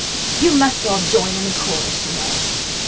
You must all join in the chorus, you know."